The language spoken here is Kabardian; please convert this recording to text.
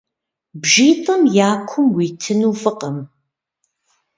Бжитӏым я кум уитыну фӏыкъым.